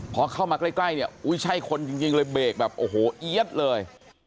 พอเข้ามาใกล้เนี่ยอุ้ยใช่คนจริงเลยเบรกแบบโอ้โหเอี๊ยดเลย